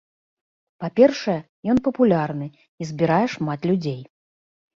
Па-першае, ён папулярны і збірае шмат людзей.